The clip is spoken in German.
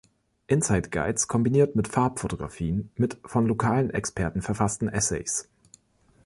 Insight Guides kombiniert Farbfotografien mit von lokalen Experten verfassten Essays.